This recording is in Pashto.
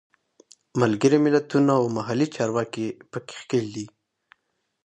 ملګري ملتونه او محلي چارواکي په کې ښکېل دي.